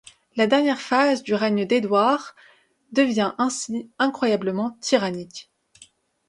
La dernière phase du règne d'Édouard devient ainsi incroyablement tyrannique.